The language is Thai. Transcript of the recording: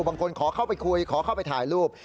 บางคนขอเข้าไปคุยขอเข้าไปถ่ายรูป